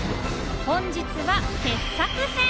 本日は傑作選